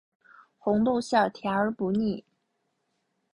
红豆馅甜而不腻